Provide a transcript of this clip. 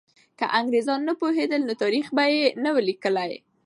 که انګریزان نه پوهېدل، نو تاریخ به یې نه وو لیکلی.